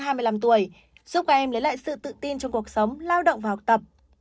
giúp các em lấy lại sự tự tin trong cuộc sống lao động và học tập